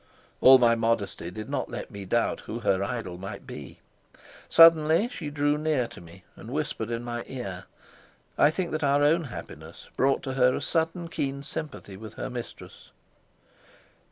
All my modesty did not let me doubt who her idol might be. Suddenly she drew near to me and whispered in my ear. I think that our own happiness brought to her a sudden keen sympathy with her mistress.